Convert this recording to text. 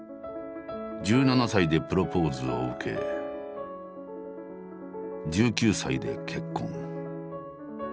１７歳でプロポーズを受け１９歳で結婚。